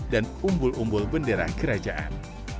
dan umbul umbul bendera kerajaan